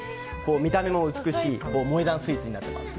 見た目も美しい萌え断スイーツになっています。